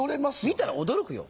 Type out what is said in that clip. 見たら驚くよ。